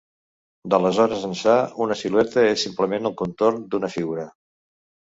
D’aleshores ençà, una silueta és simplement el contorn d’una figura.